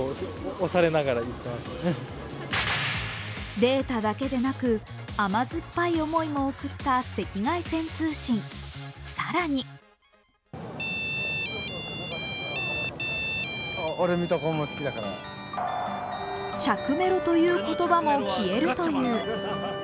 データだけでなく甘酸っぱい思いも送った赤外線通信、更に着メロという言葉も消えるという。